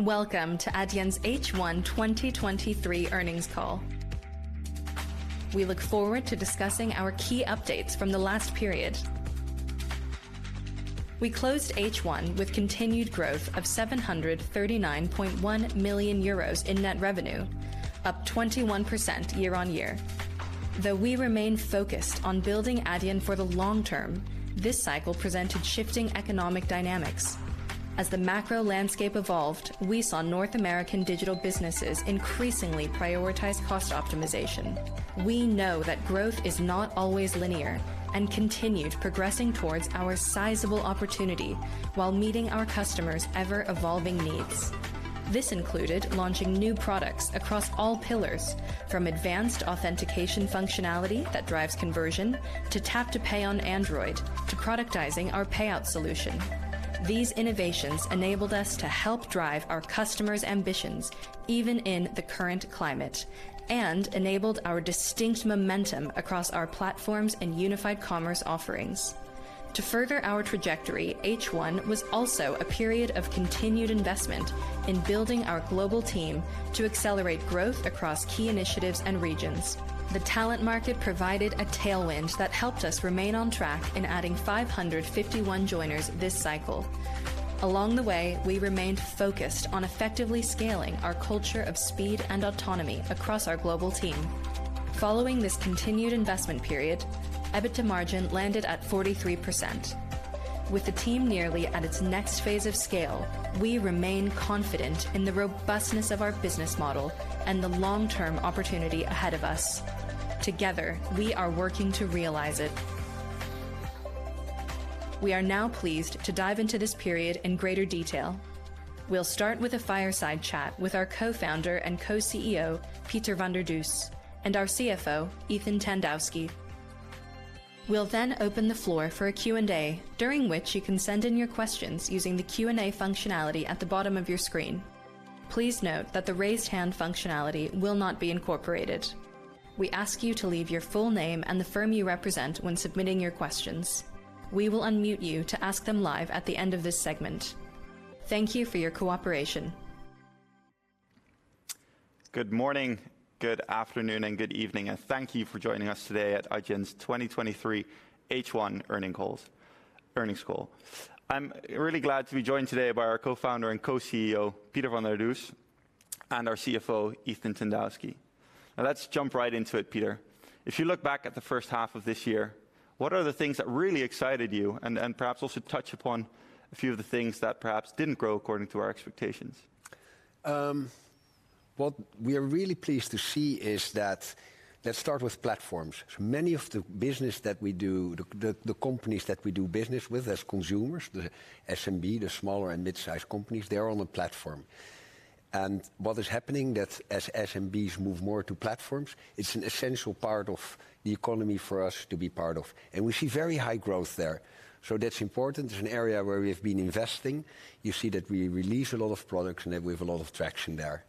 Welcome to Adyen's H1 2023 earnings call. We look forward to discussing our key updates from the last period. We closed H1 with continued growth of 739.1 million euros in net revenue, up 21% year-on-year. Though we remain focused on building Adyen for the long term, this cycle presented shifting economic dynamics. As the macro landscape evolved, we saw North American Digital businesses increasingly prioritize cost optimization. We know that growth is not always linear and continued progressing towards our sizable opportunity while meeting our customers' ever-evolving needs. This included launching new products across all pillars, from advanced authentication functionality that drives conversion, to Tap to Pay on Android, to productizing our Payout Solution. These innovations enabled us to help drive our customers' ambitions even in the current climate, enabled our distinct momentum across our Platforms and Unified Commerce offerings. To further our trajectory, H1 was also a period of continued investment in building our global team to accelerate growth across key initiatives and regions. The talent market provided a tailwind that helped us remain on track in adding 551 joiners this cycle. Along the way, we remained focused on effectively scaling our culture of speed and autonomy across our global team. Following this continued investment period, EBITDA margin landed at 43%. With the team nearly at its next phase of scale, we remain confident in the robustness of our business model and the long-term opportunity ahead of us. Together, we are working to realize it. We are now pleased to dive into this period in greater detail. We'll start with a fireside chat with our Co-founder and Co-CEO, Pieter van der Does, and our CFO, Ethan Tandowsky. We'll then open the floor for a Q&A, during which you can send in your questions using the Q&A functionality at the bottom of your screen. Please note that the raised hand functionality will not be incorporated. We ask you to leave your full name and the firm you represent when submitting your questions. We will unmute you to ask them live at the end of this segment. Thank you for your cooperation. Good morning, good afternoon, and good evening. Thank you for joining us today at Adyen's 2023 H1 earnings call. I'm really glad to be joined today by our Co-founder and Co-CEO, Pieter van der Does, and our CFO, Ethan Tandowsky. Now let's jump right into it, Pieter. If you look back at the first half of this year, what are the things that really excited you? Perhaps also touch upon a few of the things that perhaps didn't grow according to our expectations. What we are really pleased to see is that. Let's start with Platforms. Many of the business that we do, the companies that we do business with as consumers, the SMB, the smaller and mid-sized companies, they're on the platform. What is happening that as SMBs move more to platforms, it's an essential part of the economy for us to be part of, and we see very high growth there. That's important. It's an area where we've been investing. You see that we release a lot of products, and then we have a lot of traction there.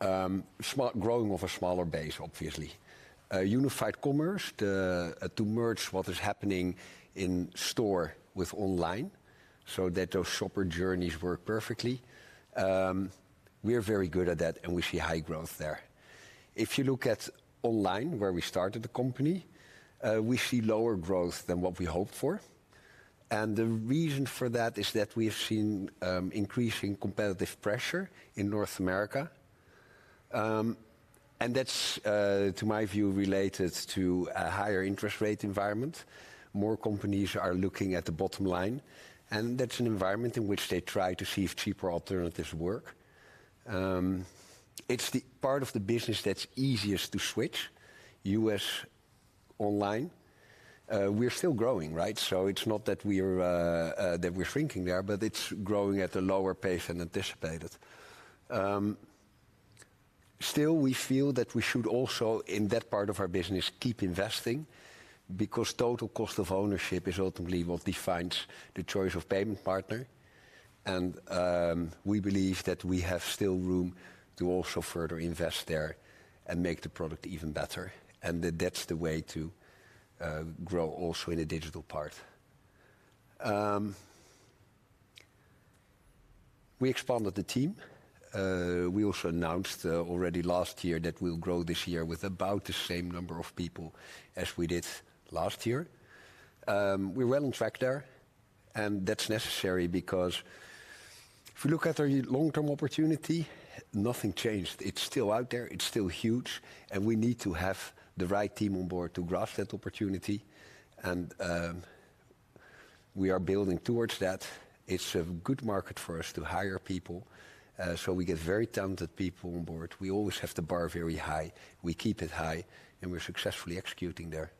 Growing off a smaller base, obviously. Unified Commerce, to merge what is happening in store with online so that those shopper journeys work perfectly, we are very good at that, and we see high growth there. If you look at online, where we started the company, we see lower growth than what we hoped for. The reason for that is that we have seen increasing competitive pressure in North America. That's to my view, related to a higher interest rate environment. More companies are looking at the bottom line, and that's an environment in which they try to see if cheaper alternatives work. It's the part of the business that's easiest to switch, U.S. online. We're still growing, right? It's not that we're that we're shrinking there, but it's growing at a lower pace than anticipated. Still, we feel that we should also, in that part of our business, keep investing, because total cost of ownership is ultimately what defines the choice of payment partner. We believe that we have still room to also further invest there and make the product even better, and that that's the way to grow also in a Digital part. We expanded the team. We also announced already last year that we'll grow this year with about the same number of people as we did last year. We're well on track there, and that's necessary because if you look at our long-term opportunity, nothing changed. It's still out there, it's still huge, and we need to have the right team on board to grasp that opportunity, and we are building towards that. It's a good market for us to hire people, so we get very talented people on board. We always have the bar very high. We keep it high, and we're successfully executing there.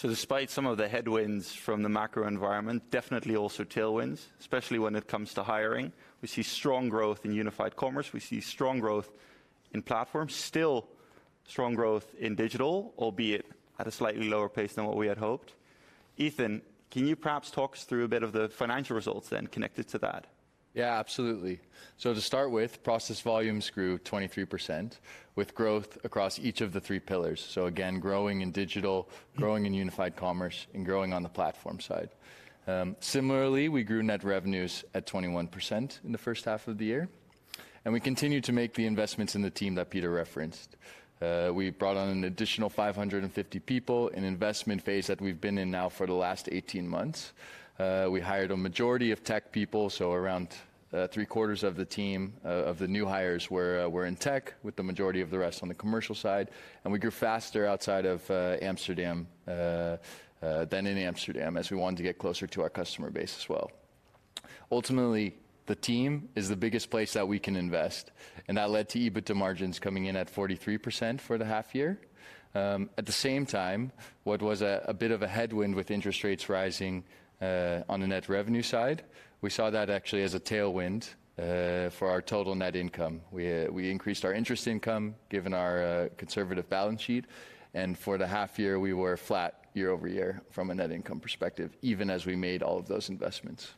Despite some of the headwinds from the macro environment, definitely also tailwinds, especially when it comes to hiring. We see strong growth in Unified Commerce, we see strong growth in Platforms, still strong growth in Digital, albeit at a slightly lower pace than what we had hoped. Ethan, can you perhaps talk us through a bit of the financial results then connected to that? Yeah, absolutely. To start with, processed volumes grew 23%, with growth across each of the three pillars. Again, growing in Digital, growing in Unified Commerce, and growing on the Platform side. Similarly, we grew net revenues at 21% in the first half of the year, and we continued to make the investments in the team that Pieter referenced. We brought on an additional 550 people, an investment phase that we've been in now for the last 18 months. We hired a majority of tech people, so around 3/4 of the team of the new hires were in tech, with the majority of the rest on the commercial side. We grew faster outside of Amsterdam than in Amsterdam, as we wanted to get closer to our customer base as well. Ultimately, the team is the biggest place that we can invest, and that led to EBITDA margins coming in at 43% for the half year. At the same time, what was a bit of a headwind with interest rates rising, on the net revenue side, we saw that actually as a tailwind for our total net income. We increased our interest income, given our conservative balance sheet, and for the half year, we were flat year-over-year from a net income perspective, even as we made all of those investments.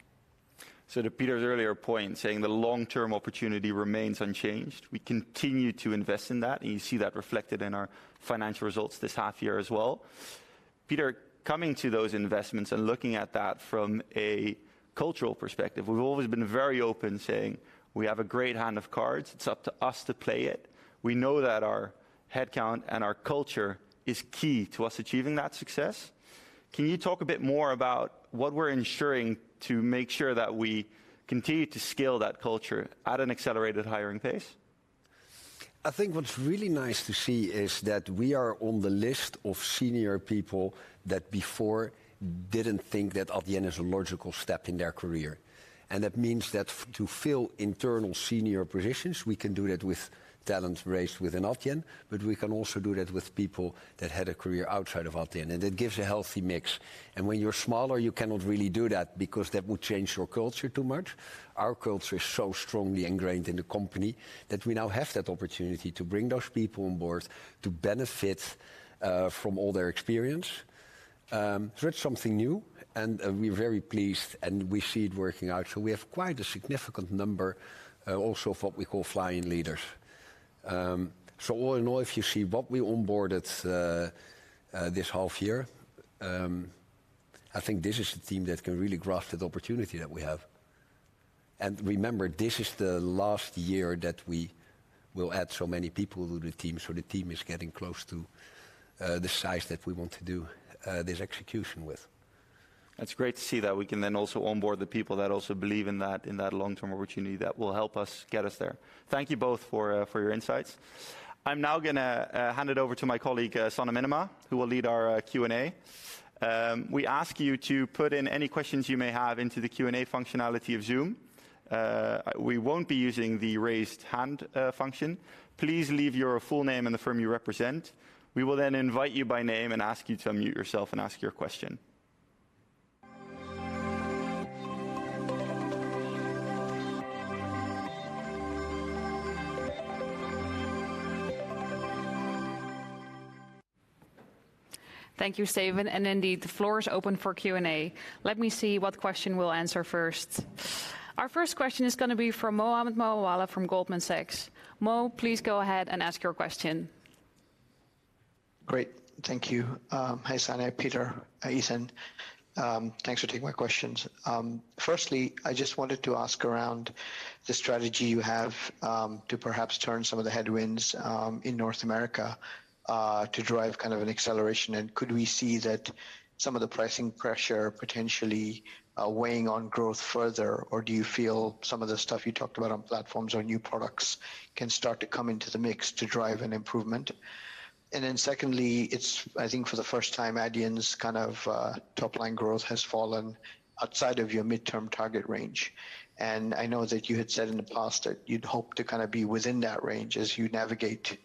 To Pieter's earlier point, saying the long-term opportunity remains unchanged, we continue to invest in that, and you see that reflected in our financial results this half year as well. Pieter, coming to those investments and looking at that from a cultural perspective, we've always been very open saying, "We have a great hand of cards. It's up to us to play it." We know that our headcount and our culture is key to us achieving that success. Can you talk a bit more about what we're ensuring to make sure that we continue to scale that culture at an accelerated hiring pace? I think what's really nice to see is that we are on the list of senior people that before didn't think that Adyen is a logical step in their career. That means that to fill internal senior positions, we can do that with talent raised within Adyen, but we can also do that with people that had a career outside of Adyen, and it gives a healthy mix. When you're smaller, you cannot really do that because that would change your culture too much. Our culture is so strongly ingrained in the company, that we now have that opportunity to bring those people on board to benefit from all their experience. That's something new, and we're very pleased, and we see it working out. We have quite a significant number also of what we call flying leaders. All in all, if you see what we onboarded, this half year, I think this is a team that can really grasp the opportunity that we have. Remember, this is the last year that we will add so many people to the team, so the team is getting close to the size that we want to do, this execution with. It's great to see that we can then also onboard the people that also believe in that, in that long-term opportunity that will help us get us there. Thank you both for your insights. I'm now gonna hand it over to my colleague, Sanne Minnema, who will lead our Q&A. We ask you to put in any questions you may have into the Q&A functionality of Zoom. We won't be using the raised hand function. Please leave your full name and the firm you represent. We will then invite you by name and ask you to unmute yourself and ask your question. Thank you, Steven, indeed, the floor is open for Q&A. Let me see what question we'll answer first. Our first question is gonna be from Mohammed Moawalla from Goldman Sachs. Mo, please go ahead and ask your question. Great, thank you. Hi, Sanne, Pieter, Ethan. Thanks for taking my questions. Firstly, I just wanted to ask around the strategy you have to perhaps turn some of the headwinds in North America to drive kind of an acceleration. Could we see that some of the pricing pressure potentially weighing on growth further? Do you feel some of the stuff you talked about on Platforms or new products can start to come into the mix to drive an improvement? Secondly, it's, I think, for the first time, Adyen's kind of, top-line growth has fallen outside of your midterm target range. I know that you had said in the past that you'd hope to kind of be within that range as you navigate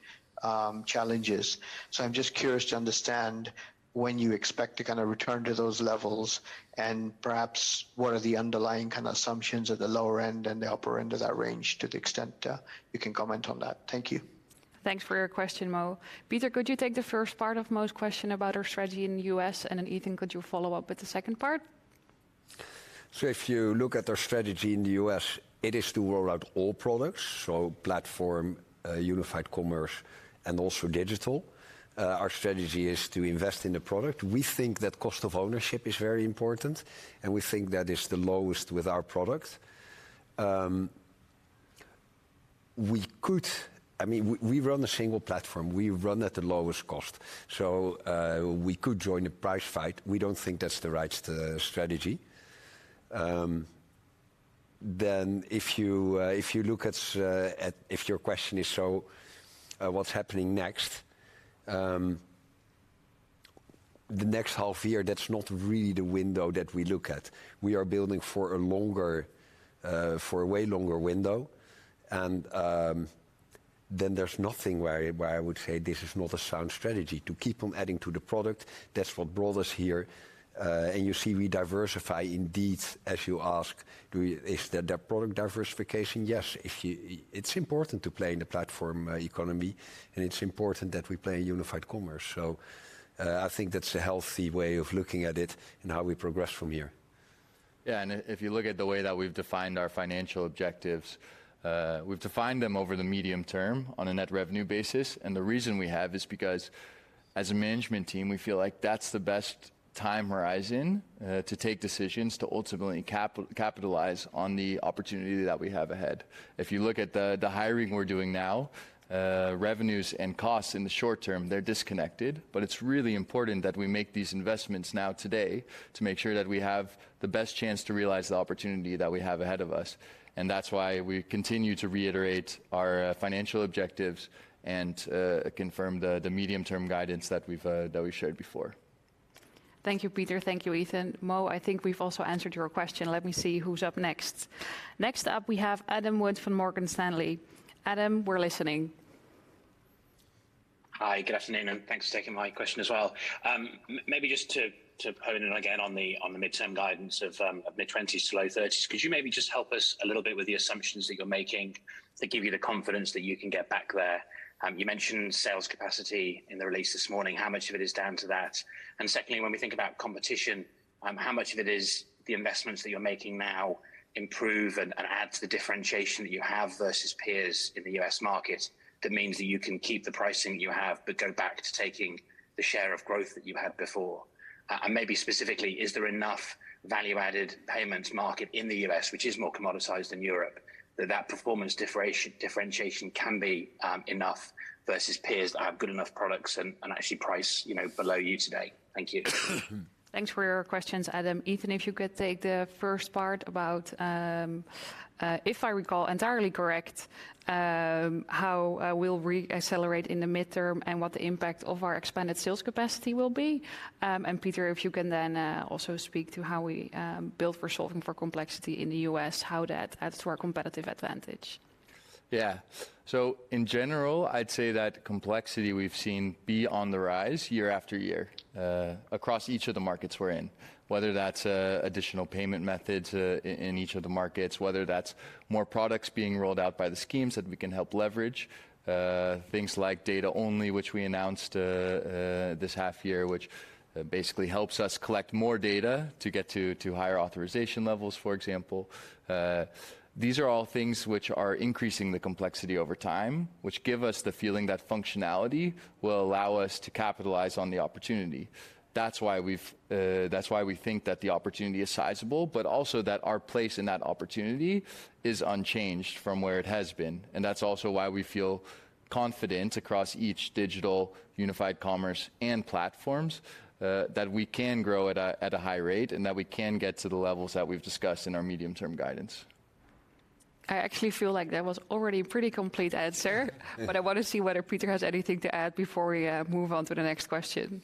challenges. I'm just curious to understand when you expect to kind of return to those levels, and perhaps, what are the underlying kind of assumptions at the lower end and the upper end of that range, to the extent, you can comment on that? Thank you. Thanks for your question, Mo. Pieter, could you take the first part of Mo's question about our strategy in the U.S., and then, Ethan, could you follow up with the second part? If you look at our strategy in the U.S., it is to roll out all products, so Platform, Unified Commerce, and also Digital. Our strategy is to invest in the product. We think that cost of ownership is very important, and we think that is the lowest with our product. We could... I mean, we run a single Platform. We run at the lowest cost, so, we could join a price fight. We don't think that's the right strategy. If you, if you look at, if your question is, so, what's happening next? The next half year, that's not really the window that we look at. We are building for a longer, for a way longer window. Then there's nothing where, where I would say this is not a sound strategy. To keep on adding to the product, that's what brought us here. You see, we diversify indeed, as you ask, is the, the product diversification? Yes. If you, it's important to play in the Platform economy, and it's important that we play a Unified Commerce. I think that's a healthy way of looking at it and how we progress from here. Yeah, if, if you look at the way that we've defined our financial objectives, we've defined them over the medium term on a net revenue basis. The reason we have is because as a management team, we feel like that's the best time horizon to take decisions to ultimately capitalize on the opportunity that we have ahead. If you look at the, the hiring we're doing now, revenues and costs in the short term, they're disconnected, but it's really important that we make these investments now today, to make sure that we have the best chance to realize the opportunity that we have ahead of us. That's why we continue to reiterate our financial objectives and confirm the medium-term guidance that we've shared before. Thank you, Pieter. Thank you, Ethan. Mo, I think we've also answered your question. Let me see who's up next. Next up, we have Adam Wood from Morgan Stanley. Adam, we're listening. Hi, good afternoon, and thanks for taking my question as well. maybe just to, to hone in again on the, on the midterm guidance of, of mid-20s to low-30s, could you maybe just help us a little bit with the assumptions that you're making that give you the confidence that you can get back there? You mentioned sales capacity in the release this morning, how much of it is down to that? Secondly, when we think about competition, how much of it is the investments that you're making now improve and, and add to the differentiation that you have versus peers in the U.S. market, that means that you can keep the pricing you have, but go back to taking the share of growth that you had before? Maybe specifically, is there enough value-added payments market in the U.S., which is more commoditized than Europe, that, that performance differentiation can be enough versus peers that have good enough products and, and actually price, you know, below you today? Thank you. Thanks for your questions, Adam. Ethan, if you could take the first part about, if I recall entirely correct, how we'll reaccelerate in the midterm and what the impact of our expanded sales capacity will be. Pieter, if you can then, also speak to how we build for solving for complexity in the U.S., how that adds to our competitive advantage. Yeah. In general, I'd say that complexity we've seen be on the rise year-after-year, across each of the markets we're in, whether that's additional payment methods, in, in each of the markets, whether that's more products being rolled out by the schemes that we can help leverage, things like Data-Only, which we announced this half year, which basically helps us collect more data to get to, to higher authorization levels, for example. These are all things which are increasing the complexity over time, which give us the feeling that functionality will allow us to capitalize on the opportunity. That's why we think that the opportunity is sizable, but also that our place in that opportunity is unchanged from where it has been. That's also why we feel confident across each Digital, Unified Commerce and Platforms, that we can grow at a, at a high rate, and that we can get to the levels that we've discussed in our medium-term guidance. I actually feel like that was already a pretty complete answer. I want to see whether Pieter has anything to add before we move on to the next question.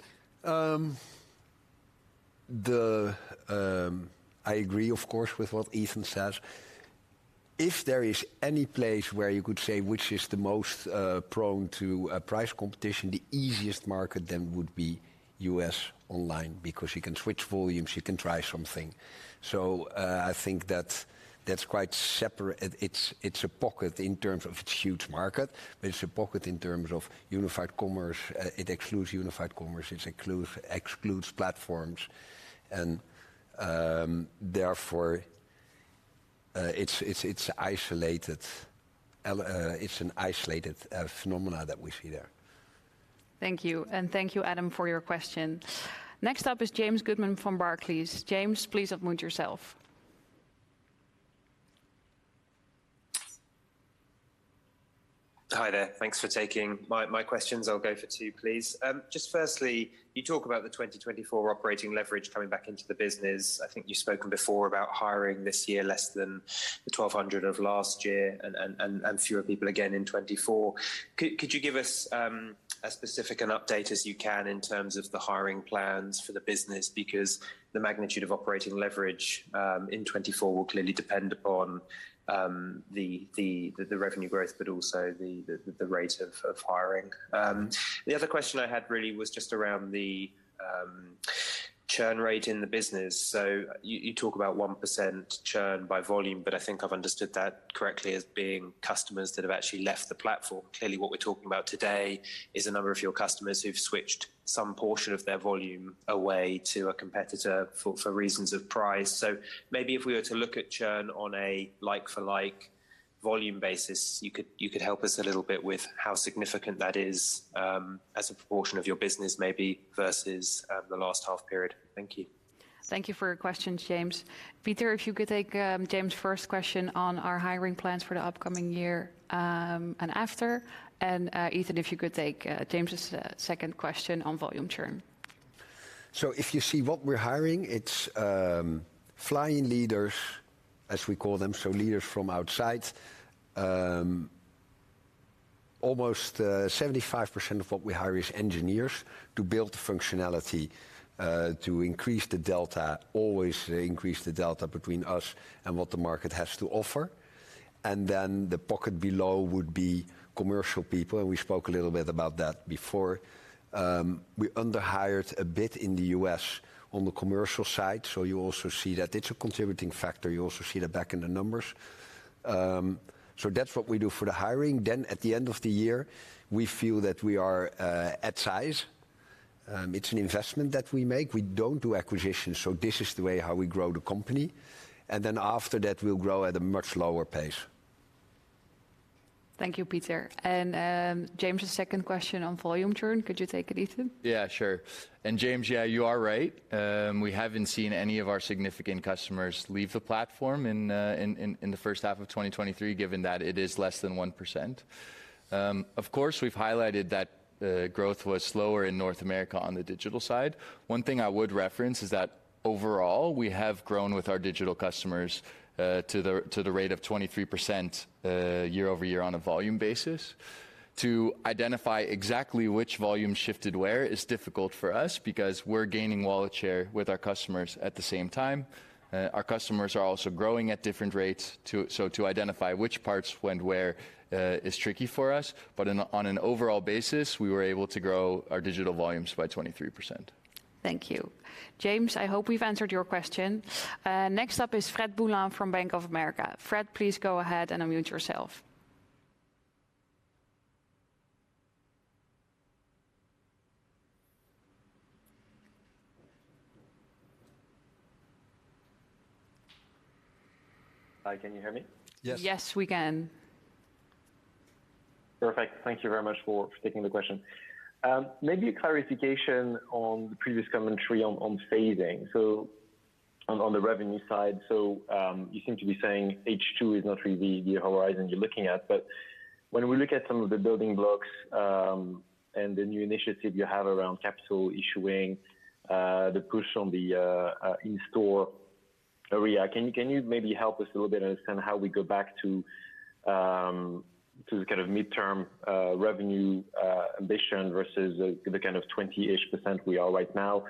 The, I agree, of course, with what Ethan says. If there is any place where you could say which is the most prone to price competition, the easiest market then would be U.S. online, because you can switch volumes, you can try something. I think that's, that's quite separate. It, it's, it's a pocket in terms of its huge market, but it's a pocket in terms of Unified Commerce. It excludes Unified Commerce, it includes... excludes Platforms, and, therefore, it's, it's, it's isolated. It's an isolated phenomena that we see there. Thank you, and thank you, Adam, for your question. Next up is James Goodman from Barclays. James, please unmute yourself. Hi there. Thanks for taking my, my questions. I'll go for two, please. Just firstly, you talk about the 2024 operating leverage coming back into the business. I think you've spoken before about hiring this year, less than the 1,200 of last year and fewer people again in 2024. Could you give us as specific an update as you can in terms of the hiring plans for the business? Because the magnitude of operating leverage in 2024 will clearly depend upon the revenue growth, but also the rate of hiring. The other question I had really was just around the churn rate in the business. You talk about 1% churn by volume, but I think I've understood that correctly as being customers that have actually left the Platform. Clearly, what we're talking about today is a number of your customers who've switched some portion of their volume away to a competitor for, for reasons of price. Maybe if we were to look at churn on a like-for-like volume basis, you could, you could help us a little bit with how significant that is as a proportion of your business, maybe versus the last half period. Thank you. Thank you for your questions, James. Pieter, if you could take James' first question on our hiring plans for the upcoming year, and Ethan, if you could take James' second question on volume churn. If you see what we're hiring, it's flying leaders, as we call them, so leaders from outside. Almost 75% of what we hire is engineers to build functionality to increase the delta, always increase the delta between us and what the market has to offer. The pocket below would be commercial people, and we spoke a little bit about that before. We underhired a bit in the U.S. on the commercial side, so you also see that it's a contributing factor. You also see that back in the numbers. That's what we do for the hiring. At the end of the year, we feel that we are at size. It's an investment that we make. We don't do acquisitions, so this is the way how we grow the company, and then after that, we'll grow at a much lower pace. Thank you, Pieter. James, the second question on volume churn, could you take it, Ethan? Yeah, sure. James, yeah, you are right. We haven't seen any of our significant customers leave the Platform in H1 2023, given that it is less than 1%. Of course, we've highlighted that growth was slower in North America on the Digital side. One thing I would reference is that overall, we have grown with our Digital customers to the rate of 23% year-over-year on a volume basis. To identify exactly which volume shifted where is difficult for us, because we're gaining wallet share with our customers at the same time. Our customers are also growing at different rates, to identify which parts went where is tricky for us. On an overall basis, we were able to grow our Digital volumes by 23%. Thank you. James, I hope we've answered your question. Next up is Fred Boulan from Bank of America. Fred, please go ahead and unmute yourself. Hi, can you hear me? Yes. Yes, we can. Perfect. Thank you very much for taking the question. Maybe a clarification on the previous commentary on, on fading. On, on the revenue side, so, you seem to be saying H2 is not really the horizon you're looking at. When we look at some of the building blocks, and the new initiative you have around Capital, Issuing, the push on the in-store area, can you, can you maybe help us a little bit understand how we go back to the kind of midterm revenue ambition versus the kind of 20%-ish we are right now?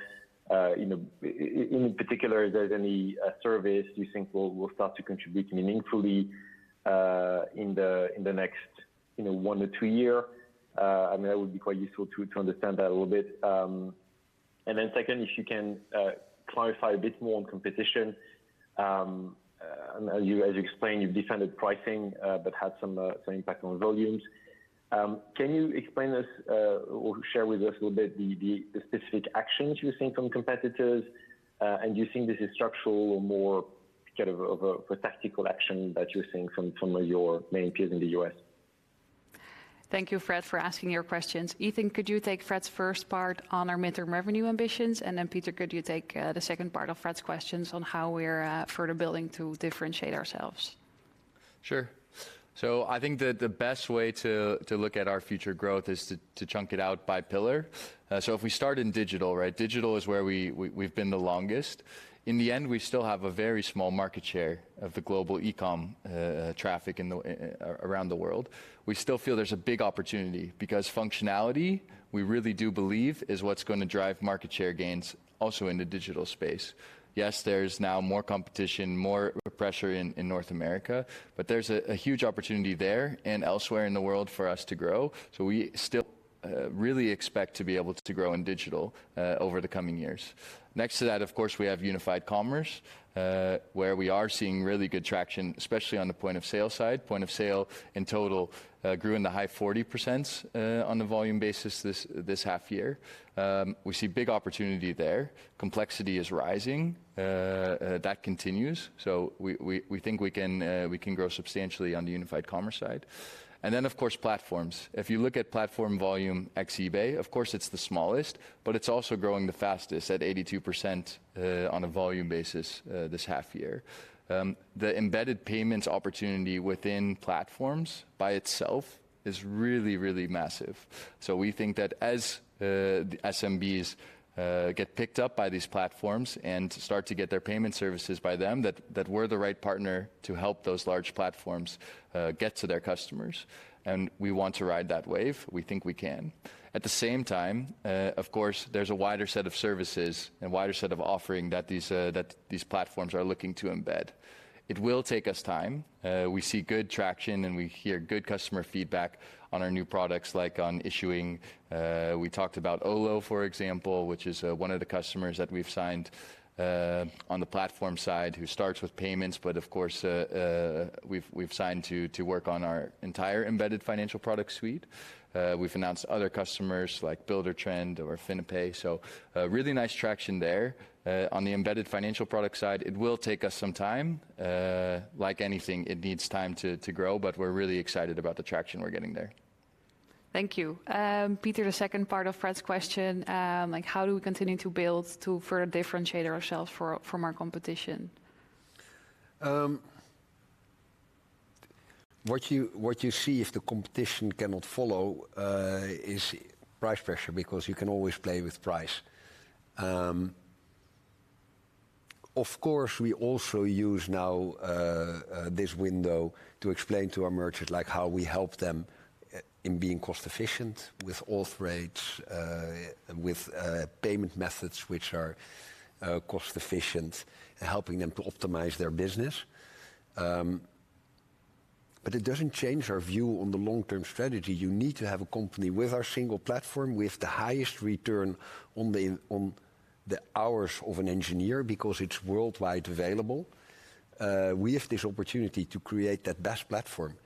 You know, in particular, is there any service you think will, will start to contribute meaningfully in the next, you know, one to two year? I mean, that would be quite useful to, to understand that a little bit. Then second, if you can clarify a bit more on competition. As you, as you explained, you've defended pricing, but had some impact on volumes. Can you explain us or share with us a little bit the specific actions you've seen from competitors, and you think this is structural or more kind of a tactical action that you're seeing from your main peers in the U.S.? Thank you, Fred, for asking your questions. Ethan, could you take Fred's first part on our midterm revenue ambitions? Then, Pieter, could you take the second part of Fred's questions on how we're further building to differentiate ourselves? Sure. I think that the best way to, to look at our future growth is to, to chunk it out by pillar. If we start in Digital, right? Digital is where we, we, we've been the longest. In the end, we still have a very small market share of the global e-commerce traffic in the around the world. We still feel there's a big opportunity because functionality, we really do believe, is what's gonna drive market share gains also in the Digital space. Yes, there's now more competition, more pressure in, in North America, but there's a huge opportunity there and elsewhere in the world for us to grow. We still really expect to be able to grow in Digital over the coming years. Next to that, of course, we have Unified Commerce, where we are seeing really good traction, especially on the Point of Sale side. Point of Sale in total, grew in the high 40%, on a volume basis this half year. We see big opportunity there. Complexity is rising, that continues, so we, we, we think we can, we can grow substantially on the Unified Commerce side. Then, of course, Platforms. If you look at platform volume ex-eBay, of course, it's the smallest, but it's also growing the fastest at 82%, on a volume basis, this half year. The embedded payments opportunity within Platforms by itself is really, really massive. We think that as the SMBs get picked up by these Platforms and start to get their payment services by them, that, that we're the right partner to help those large Platforms get to their customers, and we want to ride that wave. We think we can. At the same time, of course, there's a wider set of services and wider set of offering that these that these platforms are looking to embed. It will take us time. We see good traction, and we hear good customer feedback on our new products, like on Issuing. We talked about Olo, for example, which is one of the customers that we've signed on the Platform side, who starts with payments, but of course, we've, we've signed to, to work on our entire embedded financial product suite. We've announced other customers like Buildertrend or FinPay, so a really nice traction there. On the embedded financial product side, it will take us some time. Like anything, it needs time to, to grow, but we're really excited about the traction we're getting there. Thank you. Pieter, the second part of Fred's question, like, how do we continue to build to further differentiate ourselves from, from our competition? What you, what you see if the competition cannot follow, is price pressure, because you can always play with price. Of course, we also use now, this window to explain to our merchants, like, how we help them in being cost efficient with authorization rates, with payment methods which are cost efficient, helping them to optimize their business. It doesn't change our view on the long-term strategy. You need to have a company with our single platform, with the highest return on the hours of an engineer, because it's worldwide available, we have this opportunity to create the best platform.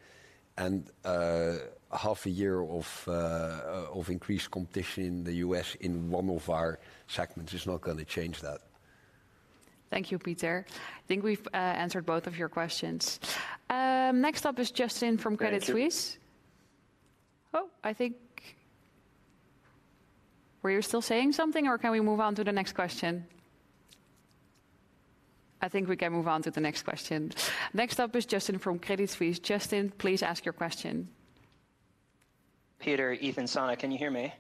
Half a year of increased competition in the U.S. in one of our segments is not gonna change that. Thank you, Pieter. I think we've answered both of your questions. Next up is Justin from Credit Suisse. Thank you. Oh, I think... Were you still saying something, or can we move on to the next question? I think we can move on to the next question. Next up is Justin from Credit Suisse. Justin, please ask your question. Pieter, Ethan, Sanne, can you hear me?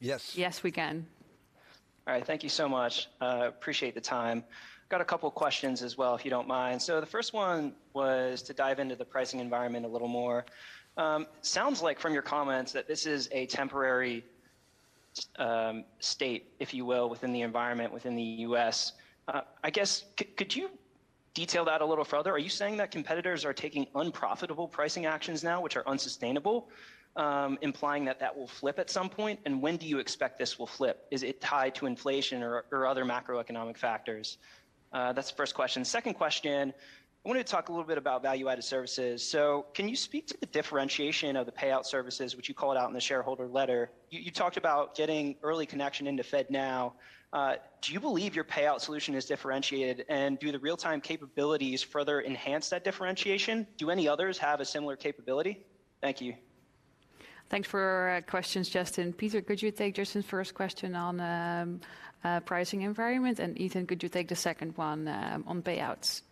Yes. Yes, we can. All right. Thank you so much. Appreciate the time. Got a couple questions as well, if you don't mind. The first one was to dive into the pricing environment a little more. Sounds like from your comments, that this is a temporary state, if you will, within the environment, within the U.S. I guess, could you detail that a little further? Are you saying that competitors are taking unprofitable pricing actions now, which are unsustainable, implying that that will flip at some point? When do you expect this will flip? Is it tied to inflation or, or other macroeconomic factors? That's the first question. Second question, I wanted to talk a little bit about value-added services. Can you speak to the differentiation of the Payout Services, which you called out in the shareholder letter? You, you talked about getting early connection into FedNow. Do you believe your Payout Solution is differentiated, and do the real-time capabilities further enhance that differentiation? Do any others have a similar capability? Thank you. Thanks for questions, Justin. Pieter, could you take Justin's first question on pricing environment? Ethan, could you take the second one on Payouts?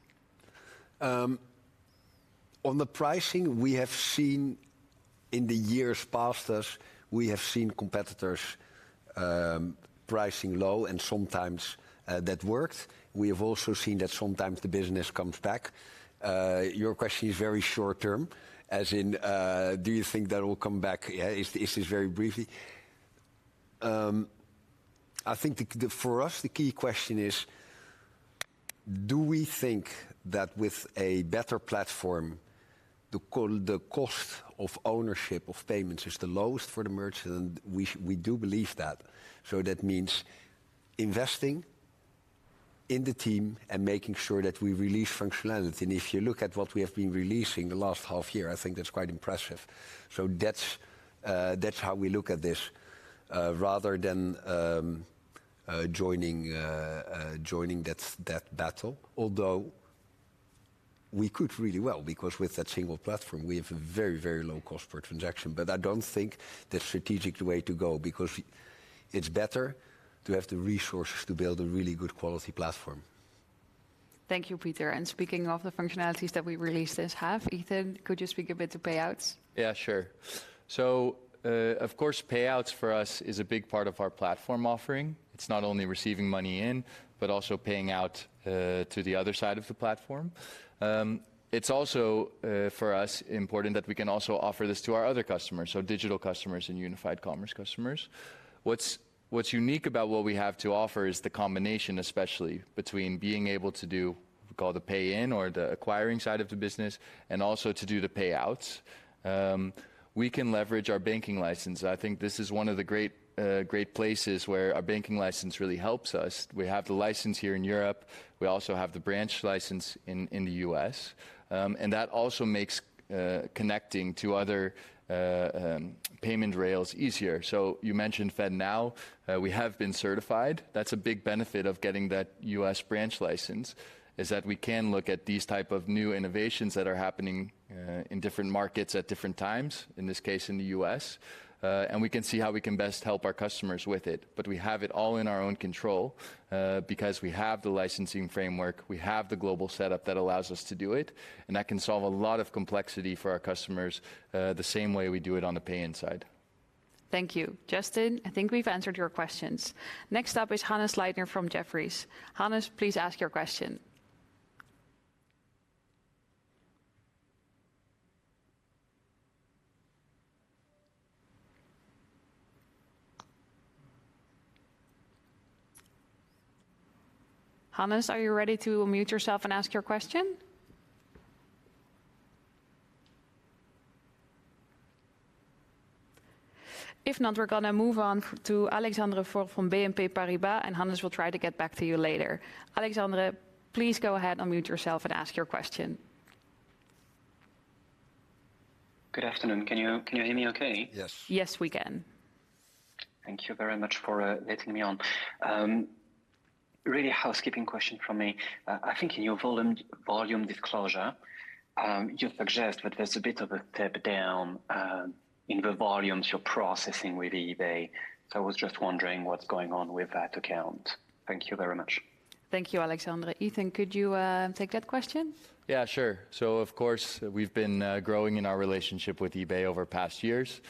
On the pricing, we have seen, in the years past us, we have seen competitors, pricing low, and sometimes, that worked. We have also seen that sometimes the business comes back. Your question is very short term, as in, do you think that will come back? Yeah, is this, this is very briefly. I think the, the for us, the key question is: do we think that with a better Platform, the cost of ownership of payments is the lowest for the merchant? We do believe that. That means investing in the team and making sure that we release functionality. If you look at what we have been releasing the last half year, I think that's quite impressive. That's, that's how we look at this, rather than joining, joining that, that battle. Although we could really well, because with that single platform, we have a very, very low cost per transaction. I don't think the strategic way to go, because it's better to have the resources to build a really good quality platform. Thank you, Pieter. Speaking of the functionalities that we released this half, Ethan, could you speak a bit to Payouts? Yeah, sure. Of course, Payouts for us is a big part of our Platform offering. It's not only receiving money in, but also paying out to the other side of the Platform. It's also for us, important that we can also offer this to our other customers, so Digital customers and Unified Commerce customers. What's unique about what we have to offer is the combination, especially between being able to do, call the pay-in or the acquiring side of the business, and also to do the Payouts. We can leverage our banking license. I think this is one of the great great places where our banking license really helps us. We have the license here in Europe. We also have the branch license in the U.S. That also makes connecting to other payment rails easier. You mentioned FedNow, we have been certified. That's a big benefit of getting that U.S. branch license, is that we can look at these type of new innovations that are happening in different markets at different times, in this case, in the U.S., and we can see how we can best help our customers with it. We have it all in our own control, because we have the licensing framework, we have the global setup that allows us to do it, and that can solve a lot of complexity for our customers, the same way we do it on the pay-in side. Thank you. Justin, I think we've answered your questions. Next up is Hannes Leitner from Jefferies. Hannes, please ask your question. Hannes, are you ready to unmute yourself and ask your question? If not, we're gonna move on to Alexandre Faure from BNP Paribas, and Hannes, we'll try to get back to you later. Alexandre, please go ahead, unmute yourself, and ask your question. Good afternoon. Can you, can you hear me okay? Yes. Yes, we can. Thank you very much for letting me on. Really a housekeeping question from me. I think in your volume, volume disclosure, you suggest that there's a bit of a step down in the volumes you're processing with eBay. I was just wondering what's going on with that account? Thank you very much. Thank you, Alexandre. Ethan, could you take that question? Yeah, sure. Of course, we've been growing in our relationship with eBay over past years.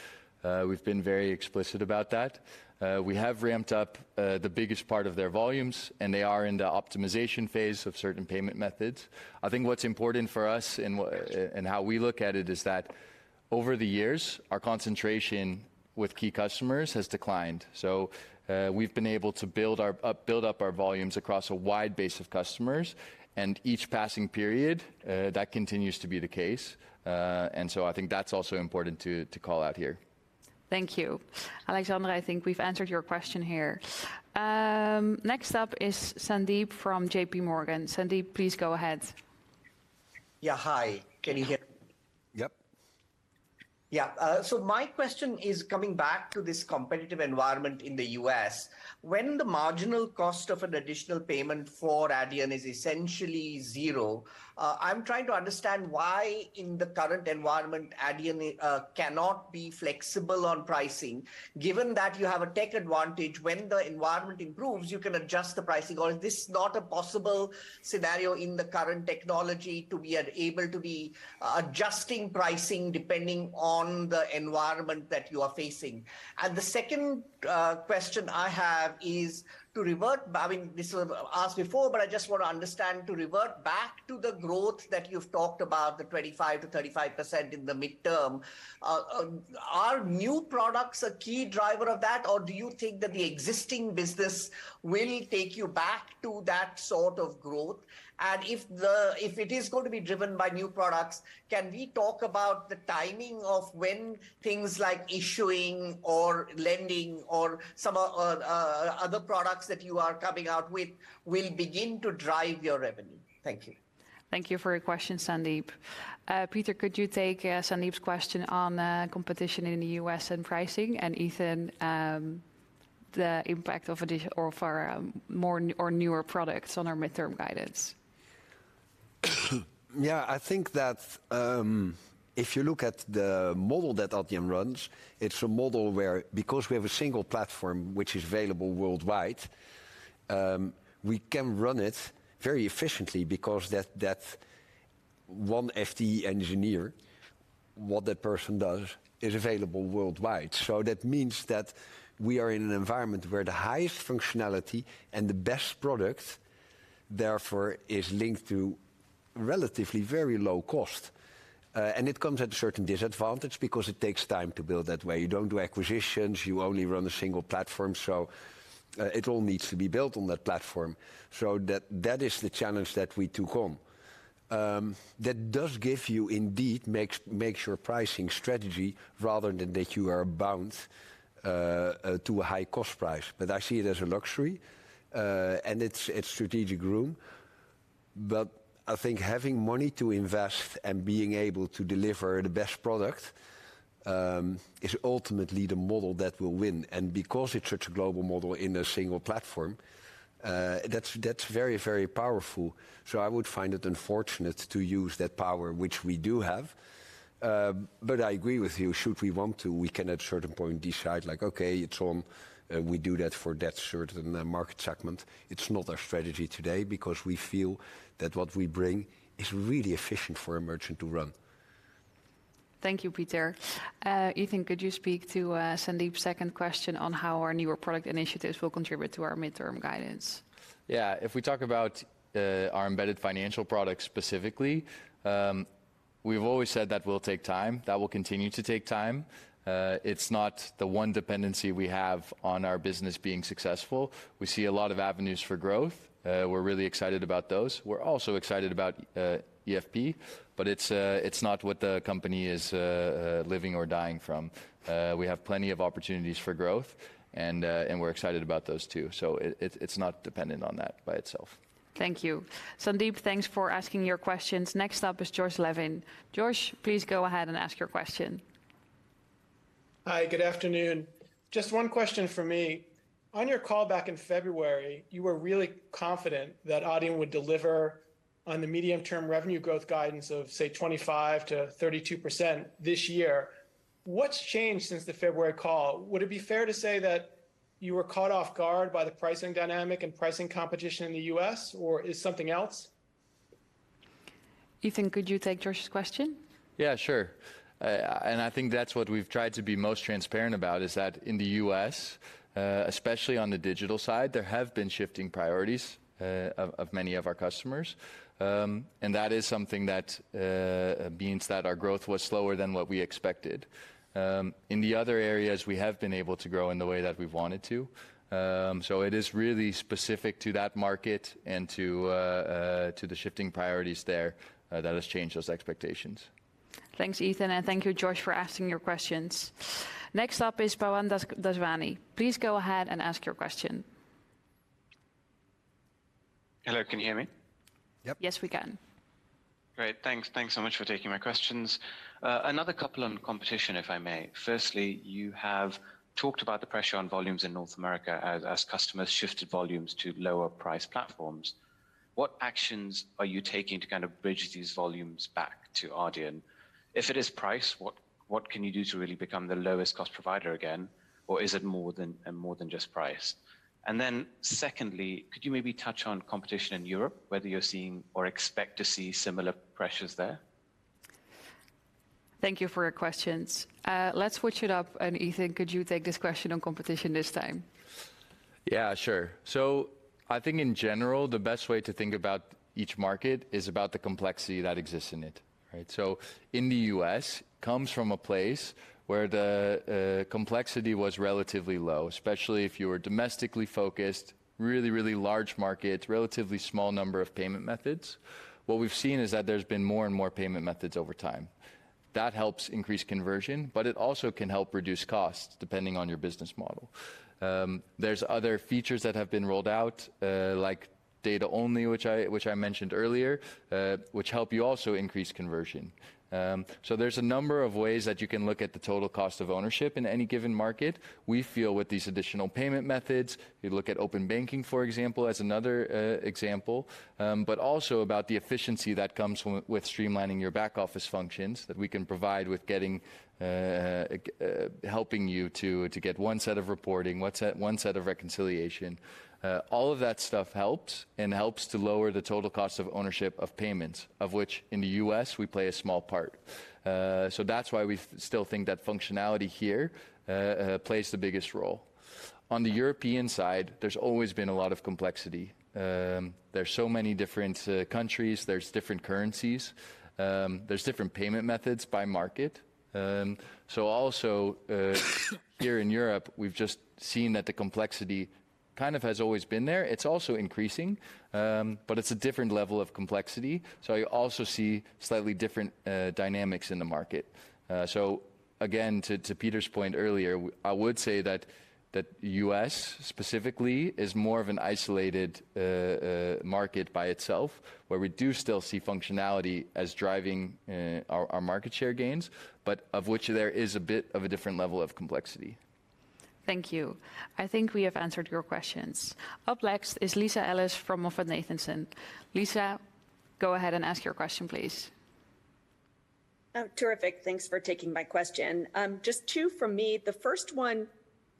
We've been very explicit about that. We have ramped up the biggest part of their volumes, and they are in the optimization phase of certain payment methods. I think what's important for us and wha- and how we look at it, is that over the years, our concentration with key customers has declined. We've been able to build our build up our volumes across a wide base of customers, and each passing period, that continues to be the case. I think that's also important to call out here. Thank you. Alexander, I think we've answered your question here. Next up is Sandeep from JPMorgan. Sandeep, please go ahead. Yeah. Hi, can you hear me? Yep. Yeah. So my question is coming back to this competitive environment in the U.S. When the marginal cost of an additional payment for Adyen is essentially zero, I'm trying to understand why, in the current environment, Adyen cannot be flexible on pricing. Given that you have a tech advantage, when the environment improves, you can adjust the pricing, or is this not a possible scenario in the current technology, to be able to be adjusting pricing depending on the environment that you are facing? The second question I have is to revert back... This was asked before, but I just want to understand, to revert back to the growth that you've talked about, the 25%-35% in the midterm, are new products a key driver of that, or do you think that the existing business will take you back to that sort of growth? If it is going to be driven by new products, can we talk about the timing of when things like Issuing or lending or some other products that you are coming out with will begin to drive your revenue? Thank you. Thank you for your question, Sandeep. Pieter, could you take Sandeep's question on competition in the U.S. and pricing, and Ethan, the impact of our more or newer products on our midterm guidance? Yeah, I think that, if you look at the model that Adyen runs, it's a model where because we have a single platform which is available worldwide, we can run it very efficiently because that, that one FD engineer, what that person does is available worldwide. That means that we are in an environment where the highest functionality and the best product therefore is linked to relatively very low cost. It comes at a certain disadvantage because it takes time to build that way. You don't do acquisitions, you only run a single platform, it all needs to be built on that platform. That, that is the challenge that we took on. That does give you indeed, makes, makes your pricing strategy, rather than that you are bound to a high cost price. I see it as a luxury, and it's, it's strategic room. I think having money to invest and being able to deliver the best product is ultimately the model that will win. Because it's such a global model in a single platform, that's, that's very, very powerful. I would find it unfortunate to use that power, which we do have. I agree with you. Should we want to, we can at certain point decide, like, "Okay, it's on," we do that for that certain market segment. It's not our strategy today because we feel that what we bring is really efficient for a merchant to run. Thank you, Pieter. Ethan, could you speak to Sandeep's second question on how our newer product initiatives will contribute to our midterm guidance? Yeah. If we talk about our embedded financial products specifically, we've always said that will take time. That will continue to take time. It's not the one dependency we have on our business being successful. We see a lot of avenues for growth. We're really excited about those. We're also excited about EFP, but it's not what the company is living or dying from. We have plenty of opportunities for growth, and we're excited about those, too. It, it, it's not dependent on that by itself. Thank you. Sandeep, thanks for asking your questions. Next up is Josh Levin. Josh, please go ahead and ask your question. Hi, good afternoon. Just one question for me. On your call back in February, you were really confident that Adyen would deliver on the medium-term revenue growth guidance of, say, 25%-32% this year. What's changed since the February call? Would it be fair to say that you were caught off guard by the pricing dynamic and pricing competition in the U.S., or is something else? Ethan, could you take Josh's question? Yeah, sure. I think that's what we've tried to be most transparent about, is that in the U.S., especially on the Digital side, there have been shifting priorities, of, of many of our customers. That is something that means that our growth was slower than what we expected. In the other areas, we have been able to grow in the way that we've wanted to. It is really specific to that market and to, to the shifting priorities there, that has changed those expectations. Thanks, Ethan, and thank you, Josh, for asking your questions. Next up is Pavan Daswani. Please go ahead and ask your question. Hello, can you hear me? Yep. Yes, we can. Great. Thanks. Thanks so much for taking my questions. Another couple on competition, if I may. Firstly, you have talked about the pressure on volumes in North America as, as customers shifted volumes to lower price platforms. What actions are you taking to kind of bridge these volumes back to Adyen? If it is price, what, what can you do to really become the lowest cost provider again, or is it more than, more than just price? Secondly, could you maybe touch on competition in Europe, whether you're seeing or expect to see similar pressures there? Thank you for your questions. Let's switch it up, Ethan, could you take this question on competition this time? Yeah, sure. I think in general, the best way to think about each market is about the complexity that exists in it, right? In the U.S., comes from a place where the complexity was relatively low, especially if you were domestically focused, really, really large markets, relatively small number of payment methods. What we've seen is that there's been more and more payment methods over time. That helps increase conversion, but it also can help reduce costs, depending on your business model. There's other features that have been rolled out, like Data-Only, which I, which I mentioned earlier, which help you also increase conversion. There's a number of ways that you can look at the total cost of ownership in any given market. We feel with these additional payment methods, you look at open banking, for example, as another example. Also about the efficiency that comes with streamlining your back office functions, that we can provide with getting, helping you to, to get one set of reporting, one set, one set of reconciliation. All of that stuff helps, and helps to lower the total cost of ownership of payments, of which, in the U.S., we play a small part. That's why we still think that functionality here, plays the biggest role. On the European side, there's always been a lot of complexity. There's so many different, countries, there's different currencies, there's different payment methods by market. Also, here in Europe, we've just seen that the complexity kind of has always been there. It's also increasing, but it's a different level of complexity, so you also see slightly different, dynamics in the market. Again, to, to Pieter's point earlier, I would say that, that U.S., specifically, is more of an isolated market by itself, where we do still see functionality as driving our, our market share gains, but of which there is a bit of a different level of complexity. Thank you. I think we have answered your questions. Up next is Lisa Ellis from MoffettNathanson. Lisa, go ahead and ask your question, please. Terrific. Thanks for taking my question. Just two from me. The first one,